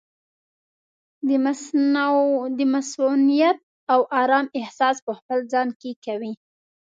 د مصؤنیت او ارام احساس پخپل ځان کې کوي.